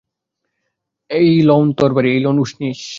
এই লউন তরবারি, এই লউন উষ্ণীষ।